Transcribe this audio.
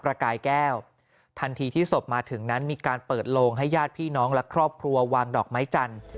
กายแก้วทันทีที่ศพมาถึงนั้นมีการเปิดโลงให้ญาติพี่น้องและครอบครัววางดอกไม้จันทร์